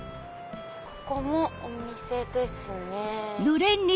ここもお店ですね。